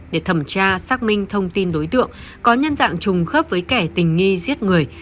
để thẩm tra xác minh thông tin đối tượng có nhân dạng trùng khớp với kẻ tình nghi giết người